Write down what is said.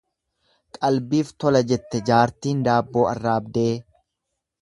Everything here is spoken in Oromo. Qalbiif tola jette jaartiin daabboo arraabdee.